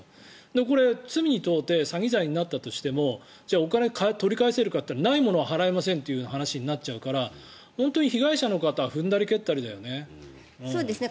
だから、罪に問うて詐欺罪になったとしてもお金、取り返せるかといったらないものは払えませんという話になっちゃうから本当に被害者の方は踏んだり蹴ったりだよね。